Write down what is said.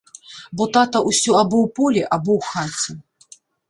Бо тата ўсё або ў полі, або ў хаце.